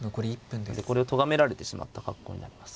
でこれをとがめられてしまった格好になります。